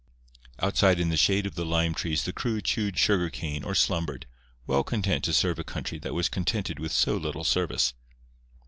_" Outside in the shade of the lime trees the crew chewed sugar cane or slumbered, well content to serve a country that was contented with so little service.